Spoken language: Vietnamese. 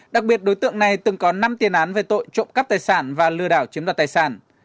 đặc biệt đối tượng này từng có năm tiền án về tội trộm cắp tài sản và lừa đảo chiếm đoạt tài sản